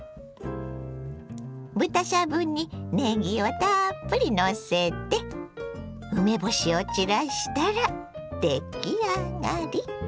豚しゃぶにねぎをたっぷりのせて梅干しを散らしたら出来上がり！